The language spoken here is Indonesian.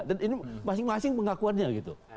dan ini masing masing pengakuannya